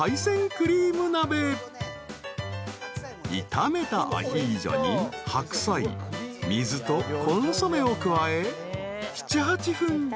［炒めたアヒージョにハクサイ水とコンソメを加え７８分煮込んだら］